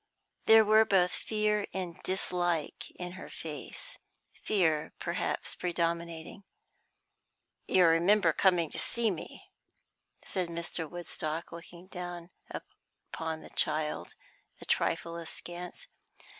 There were both fear and dislike in her face, fear perhaps predominating. "You remember coming to see me," said Mr. Woodstock, looking down upon the child, and a trifle askance.